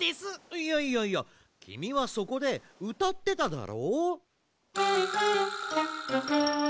いやいやいやきみはそこでうたってただろう？